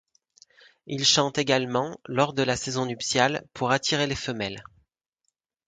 Il chante également, lors de la saison nuptiale, pour attirer les femelles.